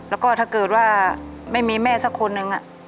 แล้วก็ถ้าเกิดว่าไม่มีแม่สักคนหนึ่ง